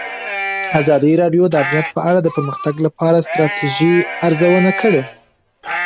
ازادي راډیو د امنیت په اړه د پرمختګ لپاره د ستراتیژۍ ارزونه کړې.